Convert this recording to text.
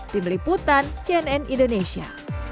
tim liputan cnn indonesia